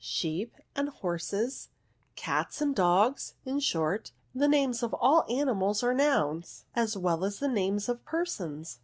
'' Sheep and horses, cats and dogs, in short, the names of all animals are nouns, as well as the names of persons."